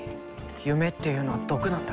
夢っていうのは毒なんだ。